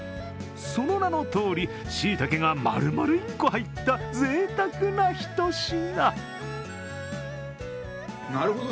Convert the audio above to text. その名のとおり、しいたけが丸々２個入ったぜいたくなひと品。